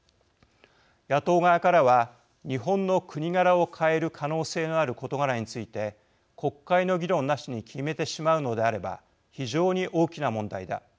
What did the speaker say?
野党側からは日本の国柄を変える可能性のある事柄について国会の議論なしに決めてしまうのであれば非常に大きな問題だ。